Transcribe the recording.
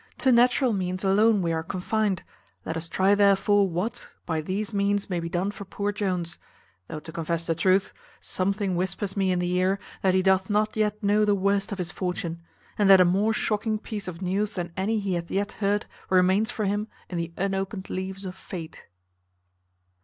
To natural means alone we are confined; let us try therefore what, by these means, may be done for poor Jones; though to confess the truth, something whispers me in the ear that he doth not yet know the worst of his fortune; and that a more shocking piece of news than any he hath yet heard remains for him in the unopened leaves of fate.